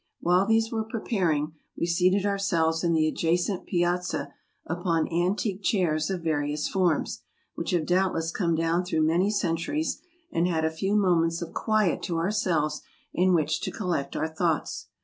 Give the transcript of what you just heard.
While these were preparing, we seated ourselves in the adjacent piazza upon antique chairs of various forms, which have doubtless come down through many centuries, and had a few moments of quiet to our¬ selves in which to collect our thoughts.